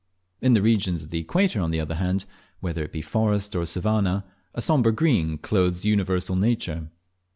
In the regions of the equator, on the other hand, whether it be forest or savannah, a sombre green clothes universal nature.